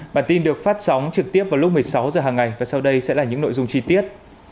bản tin được phát sóng trực tiếp vào lúc một mươi sáu h hàng ngày và sau đây sẽ là những nội dung chi tiết